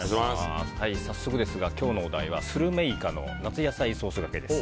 早速ですが今日のお題はスルメイカの夏野菜ソースがけです。